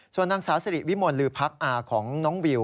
ส่วนทางสาธารณีสริวิมวลหรือพักอ่าของน้องวิว